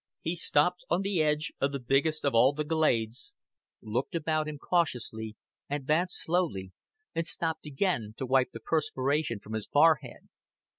He stopped on the edge of the biggest of all the glades, looked about him cautiously, advanced slowly, and stopped again to wipe the perspiration from his forehead.